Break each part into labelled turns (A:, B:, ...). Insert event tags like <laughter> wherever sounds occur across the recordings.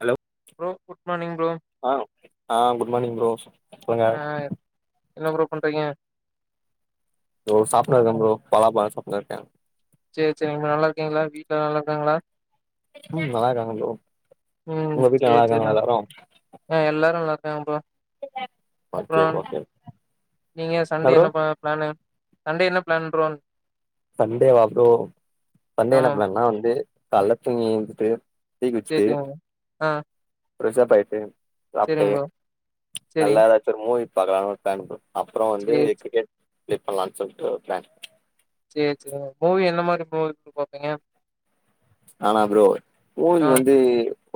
A: Hello
B: bro good morning bro
A: ஹ ஆ good morning bro சொல்லுங்க
B: ஆ என்ன ப்ரோ பண்றீங்க
A: தோ சாப்ட்டிருக்க ப்ரோ பலாபலோ சாப்ட்டு இருக்கே
B: சேரி சேரி நீங்க நல்லா இருக்கீங்களா வீட்ல நல்லாருக்காங்ளா
A: நல்லா இருக்காங்க ப்ரோ
B: ம்
A: உங்க வீட்ல நல்லா
B: சேரி
A: இருக்காங்ளா
B: சேரிங்க
A: எல்லாரு
B: எல்லாரு நல்லாருக்காங்க பாரோ அப்றோ
A: ஓகே ஓகே
B: நீங்க சண்டே என்ன ப்ளான் சண்டே என்ன ப்ளான் ப்ரோ
A: சண்டே வாப்ரோ சண்டே எனா
B: ஆமா ப்ரோ
A: ப்ளான்னா வந்து கால்ல தூங்கி எழுந்துட்டு டீ
B: சேரி
A: குடிச்ட்டு
B: சேரிங்க ஆ
A: ப்ரசப் ஆயிட்டு சாப்ட்டு
B: சேரிங்க ப்ரோ சேரி
A: நல்லா ஏதாச்சு ஒரு மூவி பாக்கலானு ஒரு ப்ளான் அப்றோ வந்து
B: சேரி
A: கிரிக்கெட் சொல்லிட்டு ஒரு ப்ளான்
B: சேரி சேரி மூவி என்ன மாரி மூவி பாப்பீங்க
A: ஆனா ப்ரோ மூவி
B: ஆ
A: வந்து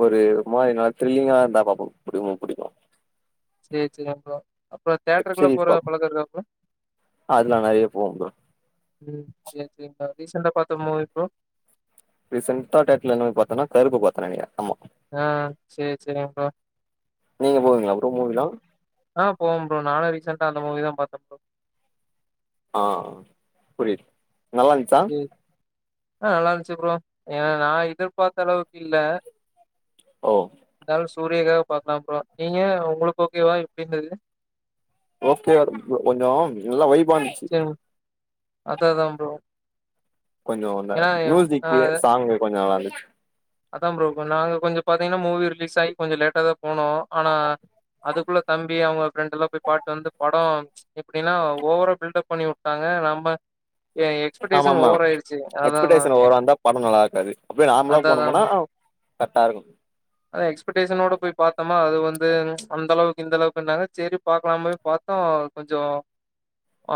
A: ஒரு மாரினா த்ரில்லிங்கா இருந்தா பாப்போ புடி புடிக்கு
B: செரி செரி அப்ப அப்புறோ
A: வெப்
B: தேட்டருக்கு எல்லா
A: சீரிஸ்
B: போற
A: பாப்போ
B: பழக்க இருக்க ப்ரோ
A: அதுல நெறைய போவு ப்ரோ
B: ம் சேர் செரி <inaudible> ரீசென்டா பாத்த மூவி ப்ரோ
A: ரீசன்ட்ட டேட்ல என்ன போய் பாத்தனா கருப்பு பாத்த நெனைக்கிற ஆமா
B: ஆ சேர் செரிங்க ப்ரோ
A: நீங்க போவீங்ளா ப்ரோ மூவிலா
B: ஆ போவ ப்ரோ நானு ரீசண்டா அந்த மூவி தா பாத்த ப்ரோ
A: ஆ புரித்
B: சேர் ஆ நல்லா இருந்துச்சு ப்ரோ ஏ நா எதிர்பாத்த அளவுக்கு இல்ல
A: ஓ
B: இருந்தாலு சூரியக்காக பாக்லா ப்ரோ நீங்க உங்களுக் ஓக்கேவா எப்டி இருந்தது
A: ஓகே கொஞ்சோ நல்லா வைபான்ச்
B: ம் அதா அதா ப்ரோ
A: கொஞ்சோ அந்ந
B: ஏன்னா
A: மியூசிக்கு சாங்கு கொஞ்சோ நல்லா இருந்துச்சு
B: அதா ப்ரோ நாங்க கொஞ்ச பாத்தீங்கன்னா மூவி ரிலீஸ் ஆகி கொஞ்ச லேட்டா தா போனோ ஆனா அதுக்குள்ள தம்பி அவுங்க ஃப்ரெண்ட் எல்லா போய் பாட்டு வந்து படோ எப்டின்னா ஓவர பில்டப் பண்ணி விட்டாங்க நம்ம ஏ
A: ஆமா
B: எக்ஸ்பெக்டேஷன்
A: ஆமா
B: ஓவர் ஆயிருச்சு அதா அதா
A: எக்ஸ்பெக்டேஷன் ஓவரா இருந்தா படோ நல்லா இருக்காது அப்டியே நார்மலா போனும் முனா கர்ட்டா இருக்கு
B: அ எக்ஸ்பெக்டேஷனோட போய் பார்த்தோம்மா அது வந்து அந்த அளவுக்கு இந்த அளவுக்குன்னாங்க செரி பாக்லாம் போய் பாத்தோ கொஞ்சோ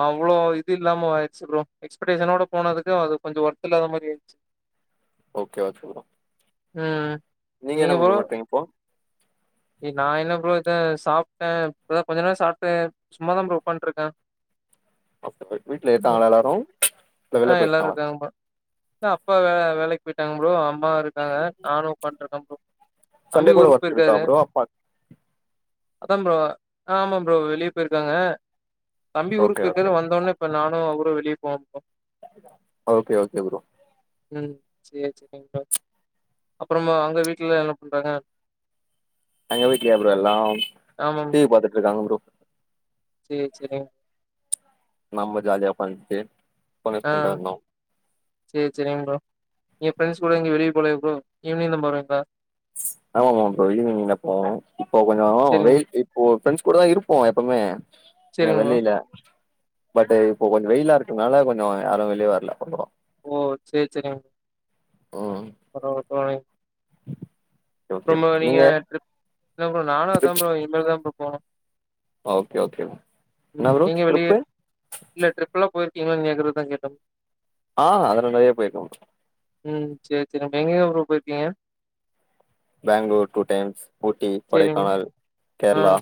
B: அவ்ளோ இது இல்லாம ஆயிருச்சு ப்ரோ எக்ஸ்பக்டேஷனோட போனதுக்கு அது கொஞ்சோ ஒர்த்து இல்லாத மாரி ஆயிர்ச்சு
A: ஓகே ஆச்சு ப்ரோ
B: ம்
A: நீங்க என்ன ப்ரோ பண்றீங்க இப்போ
B: நா என்ன ப்ரோ இத சாப்ட்ட இப்பதா கொஞ்ச நேர சாப்ட்ட சும்மாதா ப்ரோ உக்கான்ட்ருக்கே
A: அப்போ வீட்ல இருக்காங்ளா எல்லாரு இல்ல
B: ஆ
A: வெளிய
B: எல்லாரு
A: போயிருக்காங்களா
B: இருக்காங்கமா அப்பா வே வேலைக் போயிட்டாங்க ப்ரோ அம்மா இருக்காங்க நானு உக்கான்ட்ருக்கே ப்ரோ தம்பி
A: சண்டே கூட
B: ஊருக்
A: ஒர்க் இருக்கா
B: போய்ர்க்காரு
A: ப்ரோ அப்பா
B: அதா ப்ரோ ஆமா ப்ரோ வெளிய போயிருக்காங்க தம்பி ஊருக்
A: ஓகே
B: போய்ருக்காரு
A: ஓகே
B: வந்தோனே இப்ப நானு அவுரு வெளிய போம் ப்ரோ
A: ஓகே ஓகே ப்ரோ
B: ம் சேர் செரிங் ப்ரோ அப்புறமா உங்க வீட்ல என்ன பண்றாங்க
A: எங்க வீட்லயா ப்ரோ எல்லா
B: ஆமாம்
A: டிவி பாத்துட்ருக்காங்க ப்ரோ
B: சேர் செரிங்
A: நம்ம ஜாலியா உக்கான்ட்டு
B: ஆ சேர் செரிங் ப்ரோ ஏ ஃப்ரெண்ட்ஸ் கூட எங்கியு வெளிய போலையா ப்ரோ ஈவ்னிங் தா போவீங்ளா
A: ஆமாமா ப்ரோ ஈவ்னிங் தா போவ இப்போ கொஞ்சோ
B: சரிங்க
A: வெயில் ஒ ஃப்ரெண்ட்ஸ் கூட தா இருப்போ எப்பமே இங்க
B: சரிங்க ப்ரோ.
A: வெளில பட்டு இப்போ கொஞ்ச வெயிலா இருக்கனால கொஞ்சோ யாரு வெளிய வர்ல வந்துரோ
B: ஓ சேர் செரிங்
A: ம்
B: <unintelligible> அப்பறமா நீங்க ட்ரிப் இல்ல ப்ரோ நானு அதா
A: ட்ரிப்
B: ப்ரோ இனிமேல்தா ப்ரோ போணு
A: ஓகே ஓகே என்ன
B: ம்
A: ப்ரோ
B: நீங்க வெளிய
A: ட்ரிப்பு
B: இல்ல ட்ரிப்பல்லா போயிருக்கீங்களானு கேக்குறதா கேட்டே
A: ஆ அதல்லா நெறைய போய்ருக்கோ
B: ம் சேர் சேர் அப்டி எங்கயா ப்ரோ போயிருக்கீங்க
A: பேங்ளூர் டூ டைம்ஸ் ஊட்டி
B: சரிங்க.
A: கொடைக்கானல்
B: ஆ.
A: கேரளா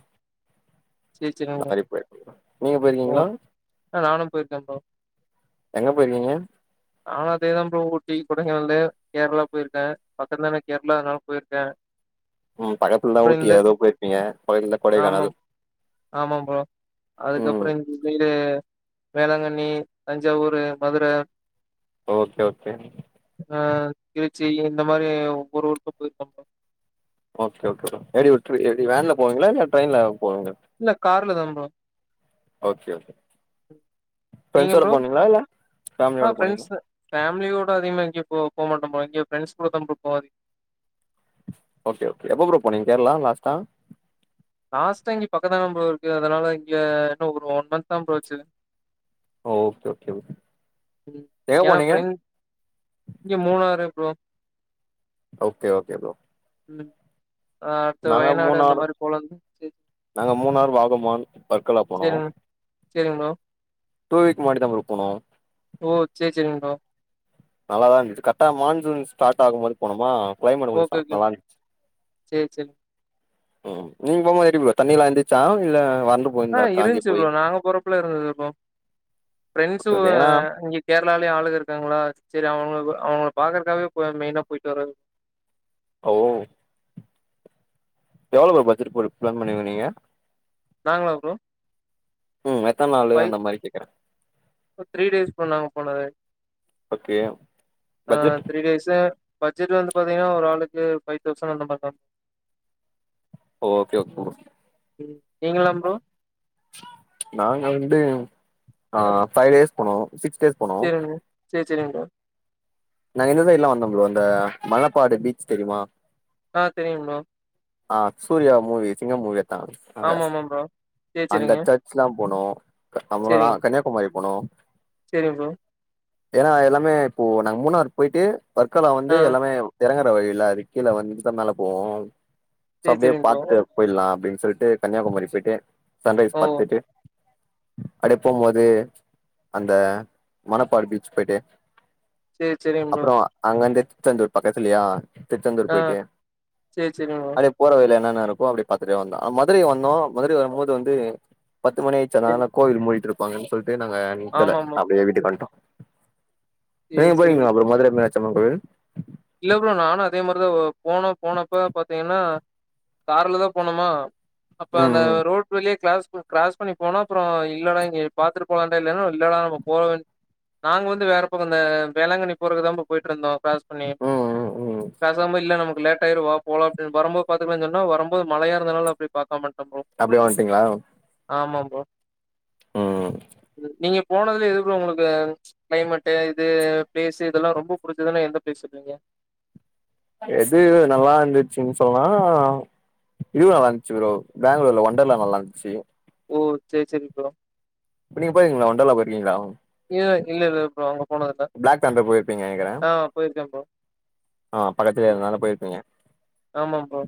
B: சரி, சரிங்க
A: அந்த
B: ப்ரோ.
A: மாரி போய்ருக்கே நீங்க
B: ஓ!
A: போயிருக்கீங்களா
B: ஆ நானும் போயிருக்கேன் ப்ரோ.
A: எங்க போயிருக்கீங்க
B: நானு அதே தா ப்ரோ ஊட்டி கொடைக்கானலு கேரளா போயிருக்கே பக்கத்துல தான கேரளா அதுனால போயிருக்கே
A: ம் பக்கத்துலதா ஊட்டி அது போயிருப்பீங்க பக்கத்துல கொடைக்கானல்
B: ஆமா ப்ரோ
A: ம்
B: அதுக்கப்பறோ இந் mile Velankanni Thanjavur Madurai
A: okay okay
B: ஆ திருச்சி இந்த மாரி ஒவ்வொரு ஊருக்கு போயிருக்கே ப்ரோ
A: ஓகே ஓகே ப்ரோ எப்டி உட்ரு எப்டி
B: ம்.
A: வேன்ல போவிங்களா இல்ல ட்ரெய்ன்ல போவிங்க
B: இல்ல கார்ல தா ப்ரோ
A: ஓகே
B: நீங்க
A: ஃபிரண்ஸோட
B: ப்ரோ?
A: போனிங்களா இல்ல
B: ஆ
A: ஃபேமிலியோட போனீங்களா
B: ஃப்ரண்ட்ஸு ஃபேமிலியோட அதிகமா எங்கயு போ போமாட்டே ப்ரோ இங்க ஃப்ரண்ட்ஸ் கூட தா ப்ரோ போவே அதி
A: ஓகே ஓகே எப்ப ப்ரோ போனிங்க கேரளா லாஸ்ட்டா
B: லாஸ்ட்டா இங்க பக்கந் தான ப்ரோ இருக்கு அதுனால இங்க என்ன ஒரு ஒன் மந்த்தா ப்ரோ ஆச்சு
A: ஓ ஓகே ஓகே ப்ரோ
B: ம்
A: எங்க
B: ஏனா
A: போனீங்க
B: ஃபிரண் இங்க Munnar bro
A: okay okay bro
B: ம் ஆ அடுத்து
A: நாங்க
B: வயநாடு அந்த
A: மூணார்
B: மாரி போலான்
A: நாங்க மூணாறு வாகமான் பற்களா போனோ
B: சரிங்க சரிங்க ப்ரோ.
A: டூ வீக் முன்னாடி தா ப்ரோ போணோ
B: ஓ சேர் சேரிங் ப்ரோ
A: நல்லாதா இந்துச்சு கரக்டா மான்சூன் ஸ்டாட் ஆகும் போது போனமா கிளைமேட் கொஞ்ச
B: ஓகே,
A: சா
B: ஓகே.
A: நல்லாருந்துச்சு
B: சரி சரிங்க.
A: ம் நீங்க போம்போது எப்டி ப்ரோ தண்ணிலா இந்துச்சா இல்ல வறண்டு
B: ஆ
A: போயிருந்தா காஞ்சி
B: இருந்துச்சு
A: போய்
B: ப்ரோ நாங்க போறபலா இருந்தது ப்ரோ ஃப்ரெண்ட்ஸு
A: சரி ஏன்னா
B: இங்க கேரளாலயே ஆளுக இருக்காங்களா செரி அவுங்க அவுங்கள பாக்கறக்காவே போ மெயினா போயிட்டு வரது
A: ஓ எவ்ளோ ப்ரோ பஜ்ஜட் போட்டு பிளான் பண்ணுவீங்க நீங்க
B: நாங்களா ப்ரோ
A: ம் எத்தன்னாளு அந்த மாரி கேக்குறே
B: ப த்ரீ டேஸ் ப்ரோ நாங்க போனது
A: ஓகே
B: ஆ
A: பட்ஜெட்
B: த்ரீ டேஸு பஜ்ஜட் வந்து பாத்தீங்கனா ஒரு ஆளுக்கு ஃபைவ் தௌசண்ட் அந்த மாரி தா
A: ஓகே ஓகே ப்ரோ
B: ம் நீங்களா ப்ரோ
A: நாங்க வந்து ஆ ஃபைவ் டேஸ் போனோ சிக்ஸ் டேஸ் போனோ
B: சேரிங்க சேர் சேரிங் ப்ரோ
A: நாங்க இந்த சைடல்லா வந்தோ ப்ரோ இந்த மலப்பாடு பீச் தெரிமா
B: ஆ தெரியு ப்ரோ
A: ஆ சூரியா மூவி சிங்க மூவியத்தா எத்தாங்க
B: ஆமா ஆமா ப்ரோ சேரி
A: அந்த
B: சேரிங்க
A: சர்ச்லா போனோ க அப்றோ ந கன்யாகுமரி போனோ
B: செரிங்க ப்ரோ
A: ஏனா எல்லாமே இப்போ நாங்க மூணாறு போயிட்டு ஒர்கர்லா வந்து
B: ஆ
A: எல்லாமே எறங்கற வழில்ல அது கீழ வந்துட்டு தா மேல போவோ சோ
B: சேரி
A: அப்டியே
B: சேரிங்க ப்ரோ
A: பாத்துட்டு போயிலா அப்டின்னு சொல்ட்டு கன்னியாகுமரி சைட்டு சன்ரைஸ்
B: ஓ
A: பாத்துட்டு அப்டியே போம் போது அந்த மணப்பாடு பீச்சு போயிட்டு
B: சேரி சேரிங்க ப்ரோ
A: அப்றோ அங்கந்து திருச்செந்தூர் பக்கதுலியா திருச்செந்தூர்
B: ஆ
A: போயிட்டு
B: சேரி சேரிங்க ப்ரோ
A: அப்டே போறவழில என்னென்ன இருக்கு அப்டியே பாத்துட்டே வந்தோ அ மதுர வந்தோ மதுரை வரும்போது வந்து பத்து மணி ஆயிச்சு
B: சேரி
A: அனாலதா கோவில் மூடிட்டு இருப்பாங்கன் சொல்ட்டு நாங்க நித்தல
B: ஆமா ஆமா ப்ரோ
A: அப்டியே வீட்டுக்குவண்டோ
B: சேரி
A: நீங்க
B: சேரிங்க
A: போறீங்களா
B: ப்ரோ
A: மதுர மீனாச்சம்மன் கோவில்
B: இல்ல ப்ரோ நானு அதே மாரிதா போனோ போனப்ப பாத்தீங்கன்னா கார்ல தா போனோமா அப்ப
A: ம்
B: அந்த
A: ம்
B: ரோட் வழியே கிளாஸ் கிராஸ் பண்ணி போனா அப்றோ இல்லடா இங்க பாத்துட்டு போலாடா இல்லனா இல்லடா நம்ம போற வழி நாங்க வந்து வேற பக்கொ இந்த வேளாங்கண்ணி போறக்கு தா ப்ரோ போயிட்டு இருந்தோ கிராஸ் பண்ணி
A: ம் ம் ம்
B: பேசாம இல்ல நமக்கு லேட்டாயிரு வா போலா அப்டினு வரும்போ பாத்துக்கலா சொன்னா வரும்போ மழையா இருந்தனால அப்டி பாக்கம வந்டோ ப்ரோ
A: அப்டியே வந்ட்டீங்களா
B: ஆமா ப்ரோ
A: ம்
B: ம் நீங்க போனதுல எது ப்ரோ உங்களுக்கு கிளைமேட்டு இது பிளேஸ் இதெல்லா ரொம்ப புடிச்சதுனா எந்த பிளேஸ் சொல்விங்க
A: எது நல்லா இந்துச்சுன்னு சொன்னா இது நல்லாந்ச்சு ப்ரோ பெங்களூர்ல ஒண்டர்லா நல்லா இருந்ச்சு
B: ஓ செரி செரி ப்ரோ
A: இப்ப நீங்க போயிக்கிங்களா ஒண்டர்லா போயிருக்கீங்களா
B: இல்ல இல்ல ப்ரோ <unintelligible>
A: பிளாக் தண்டர் போயிருப்பீங்க நெனைக்கிறே
B: ஆ போயிருக்கேன் ப்ரோ
A: ஆ பக்கத்துல
B: ம்.
A: இருக்குறனால போயிருப்பிங்க
B: ஆமா ப்ரோ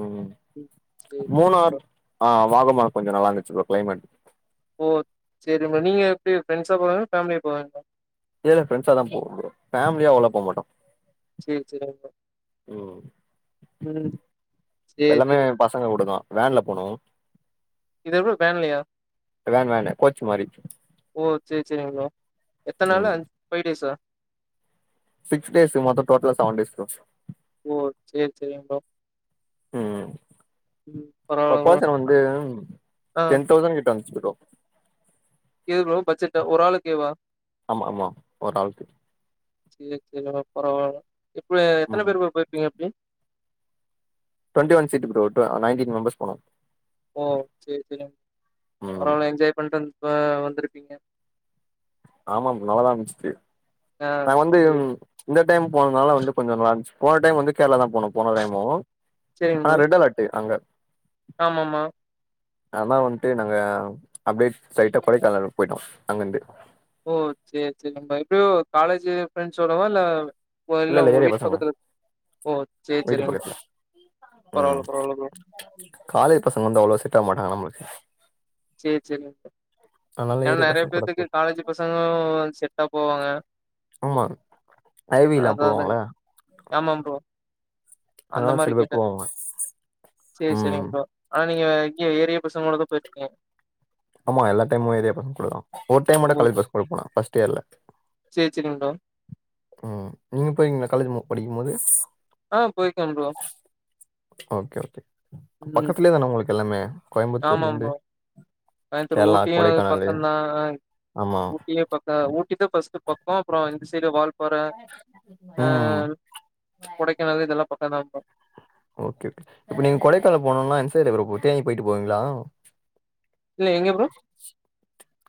A: ம்
B: ம் சரி சரி ப்ரோ
A: மூணார் ஆ வாகமா கொஞ்ச நல்லா இருந்துச்சு ப்ரோ கிளைமேட்
B: ஓ சேரிங்க நீங்க எப்டி ஃப்ரெண்ட்ஸா போவிங்க ஃபேமிலியா போவீங்களா
A: இல்ல ஃப்ரண்ட்ஸா தா போவோ ப்ரோ ஃபேமிலியாவ்ளா போமாட்டோ
B: செரி செரி ப்ரோ
A: ம்
B: ம் சேரி
A: எல்லாமே
B: செரி
A: பசங்க கூடுதா வேன்ல போனோ
B: என்னது வேன்லயா
A: வேன் வேனு கோச் மாரி
B: ஓ சேரி செரிங்க ப்ரோ எத்த நாளு
A: ம்
B: ஃபை டேஸ்ஸா
A: சிக்ஸ் டேஸ்ஸு மொத்த டோட்டலா செவன் டேஸ் ப்ரோ
B: ஓ சேரி செரிங்க ப்ரோ
A: ம்
B: ம்
A: ப
B: பரவால்ல ப்ரோ
A: பர்சன் வந்து
B: ஆ
A: டென் தௌசண் கிட்ட வந்துச்சு ப்ரோ
B: எ ப்ரோ பட்ஜெட்டு ஒரு ஆளுக்கு எவ்ளோ
A: ஆமா ஆமா ஒரு ஆளுக்கு
B: செரி செரி ப்ரோ பரவால்ல இப்ப எத்தன
A: ம்
B: பேரு ப்ரோ போயிருப்பீங்க இப்டி
A: twenty one seat bro to nineteen members போனோ
B: ஓ சேரி செரி
A: ம்
B: பரவால்ல என்ஜாய் பண்ட்டுன் ஆ வந்திருப்பீங்க
A: ஆமா ப் நல்லாதா இருந்துச்சு
B: ஆ
A: நாங்க வந்து
B: சேரி
A: இந்த டைம் போனதுனால வந்து கொஞ்சொ நல்லா இருந்துச்சு போன டைம் வந்து கேரளா தா போனோ போன டைமு ஆ ரெட் அலர்ட்டு அங்க
B: ஆமா ஆமா
A: ஆனா வந்ட்டு நாங்க அப்டே சைட்டா கொடைக்கானல் போயிட்டோ அங்கந்து
B: ஓ செரி செரி நம்ம இது காலேஜ் ப்ரெண்ஸ் சோடவா இல்ல ஒ இல்ல உங்க வீட்டு பக்கத்துல ஓ சேரி
A: வீட்டு
B: சேரி
A: பக்கத்துல ம்
B: பரவால்ல பரவால்ல ப்ரோ
A: காலேஜ் பசங்க வந்து அவ்ளோவா செட் ஆவ மாட்டாங்க நம்மளுக்கு
B: சேரி சேரி ஒகே
A: அதனால
B: ஏனா
A: ஏரியா
B: நிறைய
A: பசங்க கூட
B: பேத்துக்கு
A: போச்சு
B: காலேஜ் பசங்க செட்டா போவாங்க
A: ஐ வி எல்லா
B: அதா அதாங்க.
A: போவாங்ளா
B: ஆமா ப்ரோ
A: அதா சில பேர் போவாங்க
B: செரி
A: ம்
B: செரிங்கா ப்ரோ ஆனா நீங்க இங்க ஏரிய பசங்களோட தா போயிருக்கீங்க
A: ஆமா எல்லா டைமு ஏரியா பசங்க கூடதா ஒரு டைம்
B: ஓ!
A: மட்டு காலேஜ பசங் கூடபோன ஃபஸ்ட் இயர்ல
B: சேரி சேரிங் ப்ரோ
A: ம் நீங்க போயிருக்கிங்ளா காலேஜ் படிக்குபோது
B: ஆ போயிருக்கேன் ப்ரோ.
A: ஓகே ஓகே
B: ம்.
A: பக்கத்துலே தான உங்களுக்கு எல்லாமே
B: ஆமா
A: கோயம்புத்தூர்லேருந்து
B: ப்ரோ அத்தர்
A: கேரளா
B: ஊட்டியு
A: கொடைக்கானல்
B: பக்கோதா அ
A: ஆமா
B: ஊட்டியே பக்கோ ஊட்டி தா பஸ்ட்டு பக்கோ அப்றோ இந்த சைடு வால் பாற ஆ
A: ம்
B: கொடக்கானலு இதல்லா பக்கம் தா ப்ரோ
A: ஓகே ஓகே இப்ப நீங்க கொடைக்கானல் போனோம்னா எந்த சைடு ப்ரோ தேனிக போயிட்டு போவீங்ளா
B: இல்ல எங்க ப்ரோ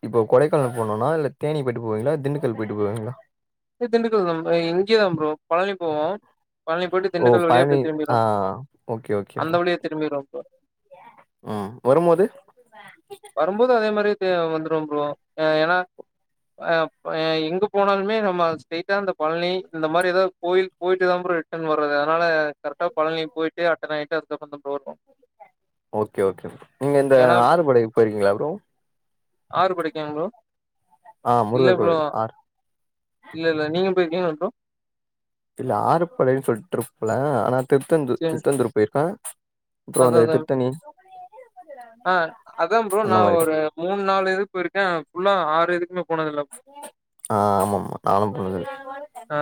A: இப்போ கொடைக்கானல் போனுனா இல்ல தேனி போயிட்டு போவீங்ளா இல்ல திண்டுக்கல் போயிட்டு போவீங்ளா
B: திண்டுக்கல் தா ப்ரோ இங்கேயே தா ப்ரோ பழனி போவோ பழனி போயிட்டு
A: ஓ
B: திண்டுக்கல் வழியா
A: பழனி
B: போய் திரும்பிரரு
A: ஆ ஓகே ஓகே
B: அந்த
A: ப்ரோ
B: வழியா திரும்பிருவ ப்ரோ
A: ம் வரும்போது அ
B: வரும்போது அதே மாரியே அ வந்துருவ ப்ரோ ஏனா ஆ எங்க போனாலுமே நம்ம ஸ்டெய்ட்டா பழனி இந்த மாரி ஏதாவது கோயில் போயிட்டு தா ப்ரோ வறது அதுனால கரெக்ட்டா பழனி போயிட்டு அட்டன் ஆகிட்டு அதுக்கு அப்றோதா போறது
A: ஓகே ஓகே நீங்க இந்த
B: ஏன்னா
A: ஆறுபடைக்கு போயிருங்ளா ப்ரோ
B: ஆறுபடைக்காங் ப்ரோ
A: ஆ
B: இல்ல
A: முருகர்
B: ப்ரோ
A: கோயில் ஆர்
B: இல்ல இல்ல நீங்க போய்ருக்கிங்லா ப்ரோ
A: இல்ல ஆறுபடைன் சொல்ட்டு ட்ரிப்ல ஆனா திருச்செந்தூர் திருச்செந்தூர் போய்ருக்கா
B: அதா அதா ஆ அதா ப்ரோ
A: அந்த
B: நா
A: மாரிதா
B: ஒரு மூண் நாலு இதுக்கு போய்ருக்கே ஆனா புஃல்லா ஆறு இதுக்குமே போனதில்ல
A: ஆ ஆமா ஆமா நானு போனதில்லை
B: ஆ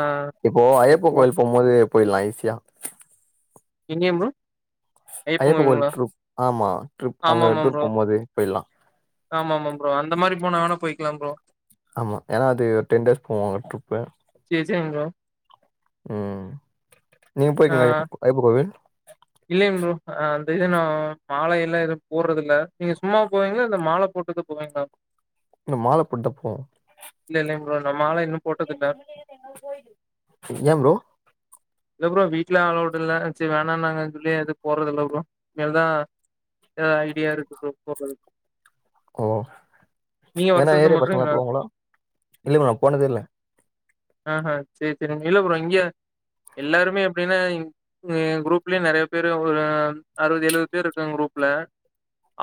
A: இப்போ ஐயப்பா
B: அதுவும்
A: கோயில்க்கு போ முதலே போய்டலா ஈசியா
B: எங்கயா ப்ரோ ஐயப்பன்
A: ஐயப்ப கோயில்
B: கோயிலுங்களா
A: ட்ரிப் ஆமா ட்ரிப்
B: ஆமா
A: அங்க
B: ஆமா
A: டூர்
B: ப்ரோ
A: போபோது போய்ட்லா
B: ஆமா ஆமா ப்ரோ அந்தமாரி போனாங்கனா போய்க்கலா ப்ரோ
A: ஆமா ஏனா அது ஒரு டென் டேஸ் போவாங்க ட்ரிப்பு
B: சேர் சேரிங் ப்ரோ
A: ம் நீங்க போய்க்கீங்ளா ஐயப்ப ஐயப்ப கோயில்
B: இல்லையேங் ப்ரோ அ இது நா மாலையெல்லா எதுவு போட்றது இல்ல நீங்க சும்மா போவீங்ளா இல்ல மால போட் டு போவிங்ளா
A: நா மால போட்த்தா போவோ
B: இல்ல இல்லேங் ப்ரோ நா மால இன்னு போட்டது இல்ல
A: இன்னாங் ப்ரோ
B: இல்ல ப்ரோ வீட்ல அல்லோவ்டு இல்ல சேர் வேணாண் நாங்க சொல்லி அது போட்றது இல்ல ப்ரோ இனிமேல் தா எதா ஐடியா இருக்கு ப்ரோ போட்றதுக் நீங்க வருஷம் வருஷம்
A: இல்ல
B: போட்டுருவீங்களா?
A: ப்ரோ நா போனதே இல்ல
B: ஆ ஆ சேர் சேரி இல்ல ப்ரோ இங்க எல்லாருமே எப்டின்னா இங் என் குரூப்லே நெறய பேரு ஒரு அறுவது எழுவ பேரு இருக்காங்க குரூப்ல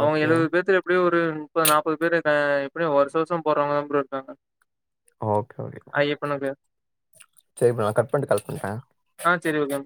B: அவங்க
A: ஓகே
B: எழுவது பேத்துல எப்டியு ஒரு முப்பது நாப்பது பேரு ஆ எப்டியு வருஷோ வருஷோ போறவங்க தா ப்ரோ இருக்காங்க
A: ஓகே ஓகே தா
B: போலா ப்ரோ
A: செரி ப்ரோ நா கட் பண்ட்டு கால் பண்ற
B: ஆ செரி ஓகே